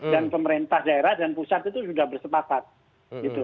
dan pemerintah daerah dan pusat itu sudah bersepakat